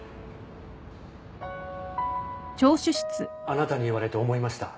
あなたに言われて思いました。